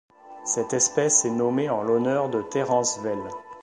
Cette espèce est nommée en l'honneur de Terence Vel.